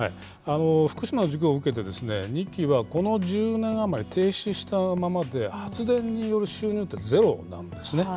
福島の事故を受けて、２基はこの１０年余り、停止したままで、発電による収入ってゼロなんですね。